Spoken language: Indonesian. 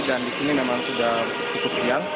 dan disini memang sudah cukup siang